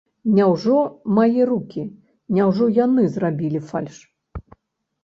Няўжо мае рукі, няўжо яны зрабілі фальш?